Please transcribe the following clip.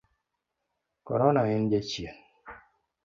Korona en jachien.